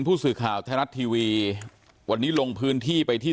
ผู้สื่อข่าวไทยรัฐทีวีวันนี้ลงพื้นที่ไปที่